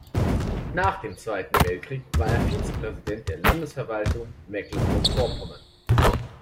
Nach dem Zweiten Weltkrieg war er Vizepräsident der Landesverwaltung Mecklenburg-Vorpommern.